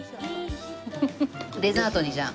デザートにじゃあ。